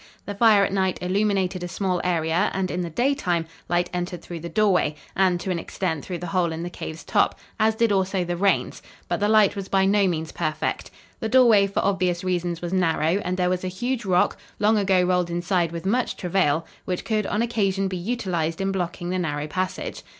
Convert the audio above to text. The fire at night illuminated a small area and, in the daytime, light entered through the doorway, and, to an extent, through the hole in the cave's top, as did also the rains, but the light was by no means perfect. The doorway, for obvious reasons, was narrow and there was a huge rock, long ago rolled inside with much travail, which could on occasion be utilized in blocking the narrow passage.